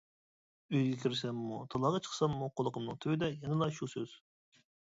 ئۆيگە كىرسەممۇ, تالاغا چىقساممۇ قۇلىقىمنىڭ تۈۋىدە يەنىلا شۇ سۆز!